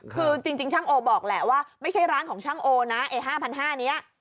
คือจริงช่างโอบอกแหละว่าไม่ใช่ร้านของช่างโอนะไอ้๕๕๐๐นี้